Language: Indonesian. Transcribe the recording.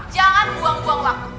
jangan buang buang waktu